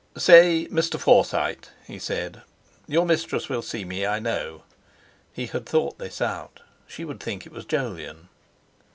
"Say, Mr. Forsyte," he said, "your mistress will see me, I know." He had thought this out; she would think it was Jolyon!